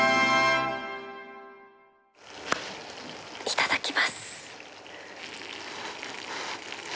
いただきます。